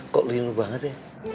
kok lindu banget ya